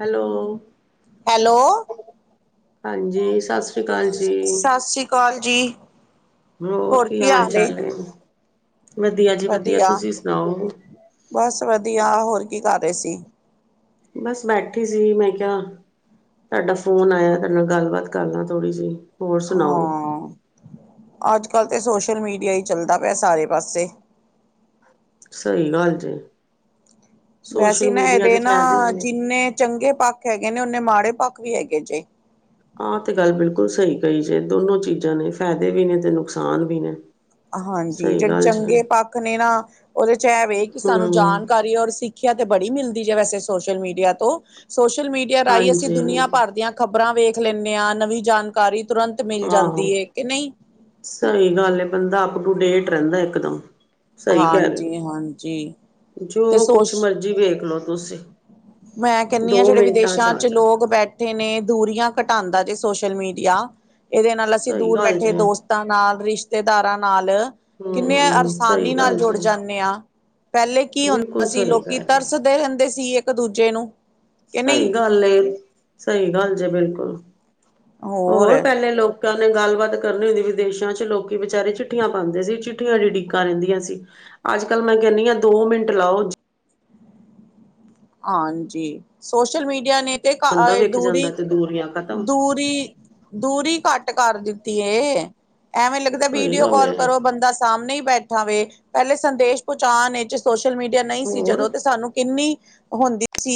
Hello. Hello. ਹਾਂਜੀ ਸਤਿ ਸ੍ਰੀ ਅਕਾਲ ਜੀ ਸਤਿ ਸ੍ਰੀ ਅਕਾਲ ਜੀ। ਹੋਰ ਕੀ ਹਾਲ-ਚਾਲ ਨੇ, ਵਧੀਆ ਜੀ ਵਧੀਆ ਤੁਸੀਂ ਸੁਣਾਓ। ਬਸ ਵਧੀਆ ਹੋਰ ਕੀ ਕਰ ਰਹੇ ਸੀ? ਬਸ ਬੈਠੀ ਸੀ ਮੈਂ ਕਿਹਾ ਤੁਹਾਡਾ ਫੋਨ ਆਇਆ ਤੁਡੇ ਨਾਲ ਗੱਲਬਾਤ ਕਰ ਲਾਂ ਥੋੜ੍ਹੀ ਜਿਹੀ। ਹੋਰ ਸੁਣਾਓ ਹਾਂ, ਅੱਜਕੱਲ ਤੇ ਸੋਸ਼ਲ ਮੀਡੀਆ ਹੀ ਚੱਲਦਾ ਪਿਆ ਸਾਰੇ ਪਾਸੇ। ਸਹੀ ਗੱਲ ਜੇ। ਵੈਸੇ ਸੋਸ਼ਲ ਨਾ ਮੀਡੀਆ ਇਹਦੇ ਦੇ ਨਾ ਫਾਇਦੇ ਨੇ ਜਿੰਨੇ ਚੰਗੇ ਪੱਖ ਹੈਗੇ ਨੇ ਓਨੇ ਮਾੜੇ ਪੱਖ ਵੀ ਹੈਗੇ ਜੇ। ਆ ਤੇ ਗੱਲ ਬਿਲਕੁਲ ਸਹੀ ਕਈ ਜੇ ਦੋਨੋ ਚੀਜ਼ਾਂ ਨੇ ਫਾਇਦੇ ਵੀ ਨੇ ਤੇ ਨੁਕਸਾਨ ਵੀ ਨੇ। ਹਾਂਜੀ ਸਹੀ ਜਿਹੜੇ ਗੱਲ ਜੀ ਚੰਗੇ ਪੱਖ ਨੇ ਨਾ ਉਹਦੇ 'ਚ ਐ ਵੇ ਕਿ ਸਾਨੂੰ ਹਮ ਜਾਣਕਾਰੀ ਔਰ ਸਿੱਖ ਸਿੱਖਿਆ ਤੇ ਬੜੀ ਮਿਲਦੀ ਜੇ ਵੈਸੇ ਸੋਸ਼ਲ ਮੀਡੀਆ ਤੋਂ, ਸੋਸ਼ਲ ਮੀਡੀਆ ਰਾਹੀਂ ਅਸੀਂ ਹਾਂਜੀ ਦੁਨੀਆਂ ਭਰ ਦੀਆਂ ਖ਼ਬਰਾਂ ਵੇਖ ਲੈਂਨੇ ਆ ਨਵੀਂ ਜਾਣਕਾਰੀ ਤੁਰੰਤ ਮਿਲ ਆਹੋ ਜਾਂਦੀ ਏ ਕਿ ਨਹੀਂ। ਸਹੀ ਗੱਲ ਏ ਬੰਦਾ ਅਪ ਟੂ ਡੇਟ ਰਹਿੰਦਾ ਇਕਦਮ। ਸਹੀ ਕਹਿ ਰਹੇ ਹੋ, ਹਾਂਜੀ ਹਾਂਜੀ ਤੇ ਜੋ ਸੋਸ਼ ਕੁਛ ਮਰਜ਼ੀ ਵੇਖ ਲੋ ਤੁਸੀਂ। ਮੈਂ ਕਹਿੰਨੀ ਦੋ ਆ ਜਿਹੜੇ ਮਿੰਟਾਂ ਵਿਦੇਸ਼ਾਂ ਆ 'ਚ ਜਾਂਦਾ। ਲੋਕ ਬੈ ਠੇ ਨੇ ਦੂਰੀਆਂ ਘਟਾਦਾ ਜੇ ਸੋਸ਼ਲ ਮੀਡੀਆ, ਇਹਦੇ ਨਾਲ ਅਸੀਂ ਸਹੀ ਦੂਰ ਗੱਲ ਜੇ ਬੈਠੇ ਦੋਸ ਹੂੰ ਤਾਂ ਨਾਲ, ਰਿਸ਼ਤੇਦਾਰਾਂ ਨਾਲ ਕਿੰਨੇ ਆਸਾਨੀ ਸਹੀ ਨਾਲ ਗੱਲ ਜੁੜ ਜੇ ਜਾਨੇ ਆ। ਪਹਿਲੇ ਕੀ ਹੁੰਦਾ ਬਿਲਕੁਲ ਸੀ ਸਹੀ ਲੋਕੀ ਕਹਿ ਰਹੇ ਹੋ। ਤਰਸ ਦੇ ਰਹਿੰਦੇ ਸੀ ਇੱਕ-ਦੂਜੇ ਨੂੰ। ਕਿ ਸਹੀ ਨਹੀਂ ਗੱਲ ਏ, ਸਹੀ ਗੱਲ ਜੇ ਬਿਲਕੁਲ। ਹੋਰ ਪਹਿਲੇ ਲੋਕ ਕਾਂ ਨੇ ਗੱਲਬਾਤ ਕਰਨੀ ਹੁੰਦੀ ਵਿਦੇਸ਼ਾਂ 'ਚ ਲੋਕੀ ਵਿਚਾਰੇ ਚਿੱਠੀਆਂ ਪਾਂਦੇ ਸੀ ਚਿ ਉਡੀਕਾਂ ਰਹਿੰਦੀਆਂ ਸੀ। ਅੱਜਕੱਲ ਮੈਂ ਕਹਿੰਨੀ ਆ ਦੋ ਮਿੰਟ ਲਾਓ ਹਾਂਜੀ, ਸੋਸ਼ਲ ਮੀਡੀਆ ਨੇ ਤੇ ਬੰਦਾ ਵੇਖ ਜਾਂਦਾ ਦੂਰੀ, ਤੇ ਦੂਰੀਆਂ ਖਤਮ। ਦੂਰ ਰੀ ਦੂਰੀ ਘੱਟ ਕਰ ਦਿੱਤੀ ਏ। ਐਵੇਂ ਲੱਗਦਾ ਸਹੀ ਵੀਡੀਓ ਗੱਲ ਕਾਲ ਏ ਕਰੋ ਬੰਦਾ ਸਾਹਮਣੇ ਹੀ ਬੈਠਾ ਵੇ ਪੈਲੇ ਸੰਦੇਸ਼। ਪਹੁੰਚਾਣ ਇਹ ਸੋਸ਼ਲ ਮੀਡੀਆ ਨਹੀਂ ਸੀ ਹੋਰ ਜਦੋਂ ਤੇ ਸਾਨੂੰ ਕਿੰਨੀ। ਹੁੰਦੀ ਸੀ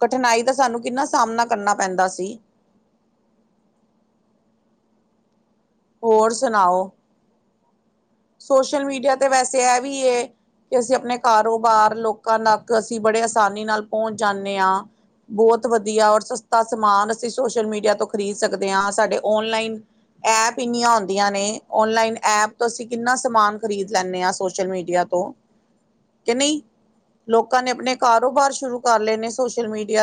ਕਠਿਨਾਈ ਦਾ ਸਾਨੂੰ ਕਿੰਨਾ ਸਾਹਮਣਾ ਕਰਨਾ ਪੈਂਦਾ ਸੀ। ਹੋਰ ਸੁਣਾਓ ਸੋਸ਼ਲ ਮੀਡੀਆ ਤੇ ਵੈਸੇ ਇਹ ਵੀ ਯੇ। ਕਿ ਅਸੀਂ ਆਪਣੇ ਕਾਰੋਬਾਰ ਲੋਕਾਂ ਤੱਕ ਅਸੀਂ ਬੜੇ ਆਸਾਨੀ ਨਾਲ ਪਹੁੰਚ ਜਾਂਦੇ ਹਾਂ। ਬੋਤ ਵਧੀਆ ਔਰ ਸਸਤਾ ਸਮਾਨ ਅਸੀਂ ਸੋਸ਼ਲ ਮੀਡੀਆ ਤੋਂ ਖ਼ਰੀਦ ਸਕਦੇ ਹਾਂ ਸਾਡੇ ਓਨਲਾਈਨ। ਐਪ। ਪਿੰਨੀਆਂ ਆਉਂਦੀਆਂ ਨੇ ਓਨਲਾਈਨ ਐਪ ਤੋਂ ਅਸੀਂ ਕਿੰਨਾ ਸਮਾਨ ਖਰੀਦ ਲੈਂਦੇ ਹਾਂ ਸੋਸ਼ਲ ਮੀਡੀਆ ਤੋਂ। ਕਿ ਨਹੀਂ ਲੋਕਾਂ ਨੇ ਆਪਣੇ ਕਾਰੋਬਾਰ ਸ਼ੁਰੂ ਕਰ ਲਏ ਨੇ ਸੋਸ਼ਲ ਮੀਡੀਆ।